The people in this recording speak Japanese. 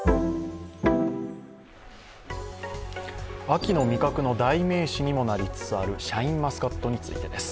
秋の味覚の代名詞にもなりつつあるシャインマスカットについてです。